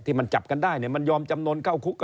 มันจับกันได้มันยอมจำนวนเข้าคุก